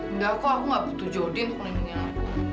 enggak kok aku nggak butuh jodi untuk melindungi aku